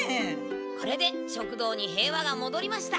これで食堂に平和がもどりました。